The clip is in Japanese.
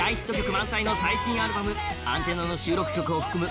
満載の最新アルバム「ＡＮＴＥＮＮＡ」の収録曲を含む